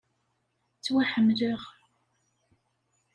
Ttwaḥemmleɣ.